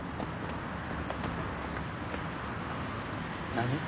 何？